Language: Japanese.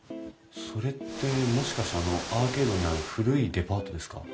それってもしかしてアーケードにある古いデパートですか？